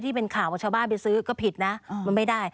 ที่เป็นข่าวว่าชาวบ้านไปซื้อก็ผิดนะมันไม่ได้